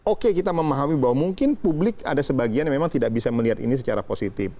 oke kita memahami bahwa mungkin publik ada sebagian yang memang tidak bisa melihat ini secara positif